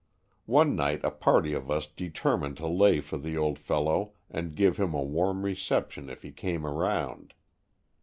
One night a party of us determined to lay for the old fellow and give him a warm reception if he came around.